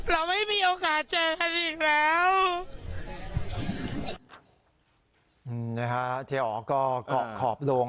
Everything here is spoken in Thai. เราไม่มีโอกาสเจอกันอีกแล้ว